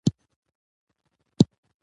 زۀ غواړم د پښتو ژبې لپاره کار وکړم!